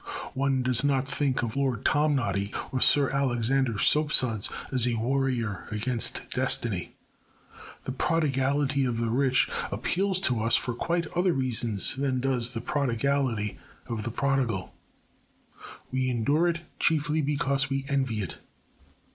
One does not think of Lord Tomnoddy or Sir Alexander Soapsuds as a warrior against destiny. The prodigality of the rich appeals to us for quite other reasons than does the prodigality of the prodigal. We endure it chiefly because we envy it.